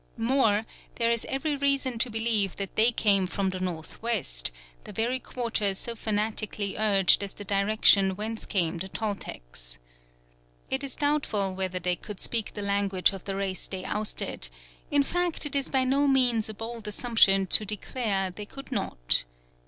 More, there is every reason to believe that they came from the north west, the very quarter so fanatically urged as the direction whence came the Toltecs. It is doubtful whether they could speak the language of the race they ousted; in fact it is by no means a bold assumption to declare they could not.